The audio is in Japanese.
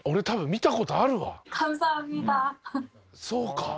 そうか。